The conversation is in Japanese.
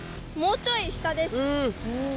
もうちょい下です。